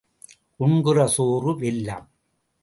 உண்கிற சோறு வெல்லம்.